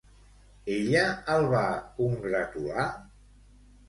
Ella el va congratular?